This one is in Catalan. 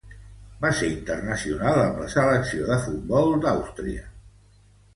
Va ser internacional amb la selecció de futbol d'Àustria.